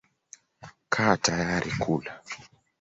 Kaa tayari kula.